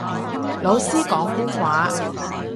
老師講官話